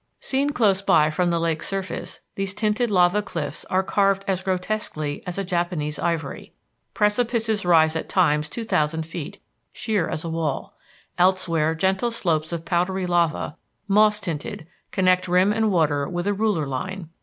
Seen close by from the lake's surface these tinted lava cliffs are carved as grotesquely as a Japanese ivory. Precipices rise at times two thousand feet, sheer as a wall. Elsewhere gentle slopes of powdery lava, moss tinted, connect rim and water with a ruler line.